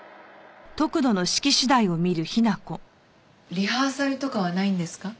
リハーサルとかはないんですか？